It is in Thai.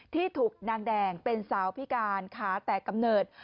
ที่ถูกนางแดงเป็นสาวพิการขาแตกกำเนิด